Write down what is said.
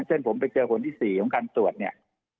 เช่นผมไปเจอคนที่๔ของการตรวจเนี่ย